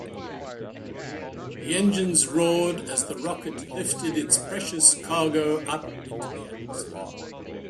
The engines roared as the rocket lifted its precious cargo up into the atmosphere.